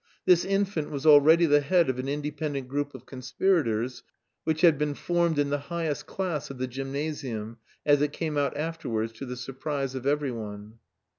This infant was already the head of an independent group of conspirators which had been formed in the highest class of the gymnasium, as it came out afterwards to the surprise of every one.